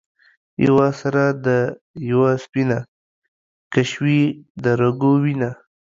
یوه سره ده یوه سپینه ـ کشوي د رګو وینه